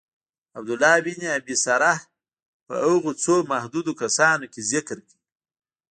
عبدالله بن ابی سرح په هغو څو محدودو کسانو کي ذکر کړ.